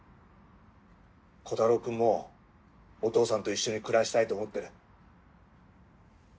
コタローくんもお父さんと一緒に暮らしたいと思ってる。